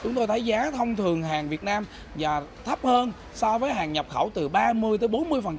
chúng tôi thấy giá thông thường hàng việt nam và thấp hơn so với hàng nhập khẩu từ ba mươi tới bốn mươi